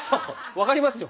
分かりますよ。